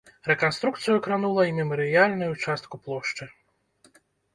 Рэканструкцыю кранула і мемарыяльную частку плошчы.